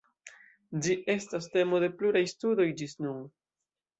Ĝi estas temo de pluraj studoj ĝis nun.